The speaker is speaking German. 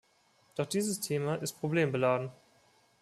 Doch dieses Thema ist problembeladen.